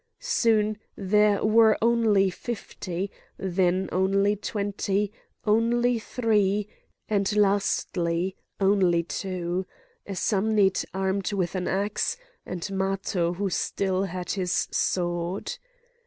Soon there were only fifty, then only twenty, only three, and lastly only two—a Samnite armed with an axe, and Matho who still had his sword.